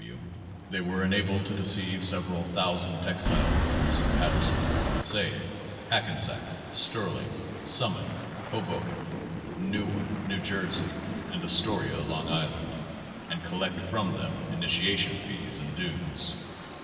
W. W. they were enabled to deceive sev eral thousand textile workers in Patterson, Passaic, Hackensack, Stirling, Summit, Hoboken, Newark, New Jersey ; and Astoria, Long Island, and collect from them initiation fees and dues.